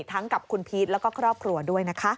กับคุณพีชแล้วก็ครอบครัวด้วยนะคะ